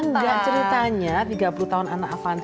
enggak ceritanya tiga puluh tahun anak avanti